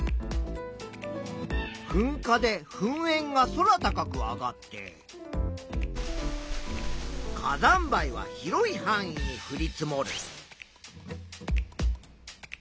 ふんかでふんえんが空高く上がって火山灰は広いはん囲にふり積もる。